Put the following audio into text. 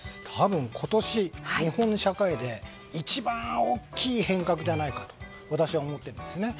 多分今年、日本の社会で一番大きい変革じゃないかと私は思っています。